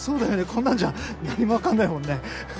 こんなんじゃ何も分かんないもんね